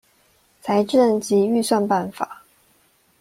財政及預算辦法